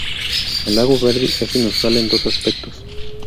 El lago Verdi es inusual en dos aspectos.